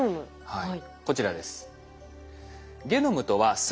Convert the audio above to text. はいこちらです。